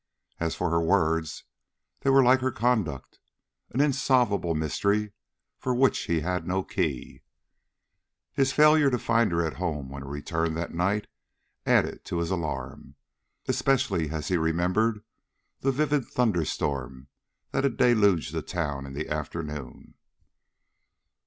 As for her words, they were like her conduct, an insolvable mystery, for which he had no key. His failure to find her at home when he returned that night added to his alarm, especially as he remembered the vivid thunderstorm that had deluged the town in the afternoon.